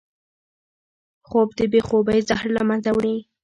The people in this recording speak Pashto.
خوب د بې خوبۍ زهر له منځه وړي